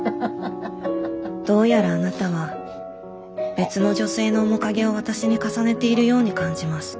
「どうやらあなたは別の女性の面影を私に重ねているように感じます。